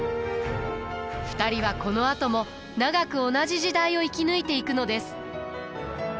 ２人はこのあとも長く同じ時代を生き抜いていくのです。